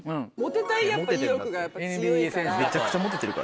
めちゃくちゃモテてるからね。